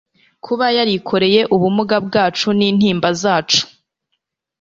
Kuba yarikoreye ubumuga bwacu n'intimba zacu,